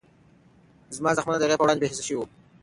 زما زخمونه د هغې په وړاندې بېحسه شوي وو.